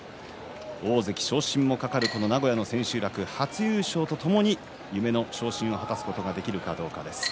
大関昇進も懸かる名古屋の千秋楽初優勝とともに夢の昇進の果たすことができるかどうかです。